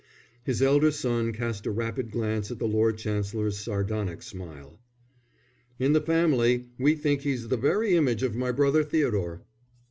His elder son cast a rapid glance at the Lord Chancellor's sardonic smile. "In the family we think he's the very image of my brother Theodore."